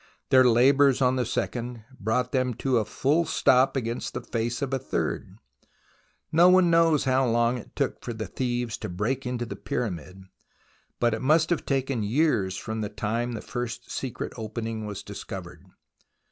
Their labours on the second brought them to a full stop against the face of the third. No one knows how long it took for the thieves to break into the Pyramid, but it must have taken years from the time the first secret opening was discovered.